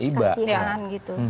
ibak kasihan gitu